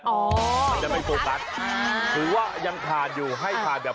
อ๋อมันจะเป็นตัวกัดคือว่ายังขาดอยู่ให้ขาดแบบ๕๐๕๐